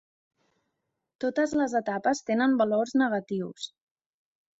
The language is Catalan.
Totes les etapes tenen valors negatius.